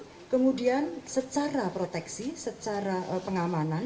nah goncangan ini kemudian secara proteksi secara pengamalan